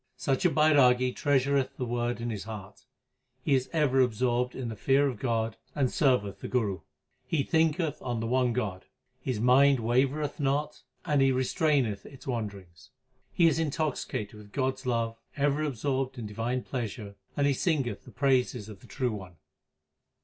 Such a Bairagi treasureth the Word in his heart ; he is ever absorbed in the fear of God and serveth the Guru. He thinketh on the one God, his mind wavereth not, and he restraineth its wanderings. He is intoxicated with God s love, ever absorbed in divine pleasure, and he singeth the praises of the True One.